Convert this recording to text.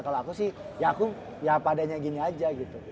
kalau aku sih ya padanya gini aja gitu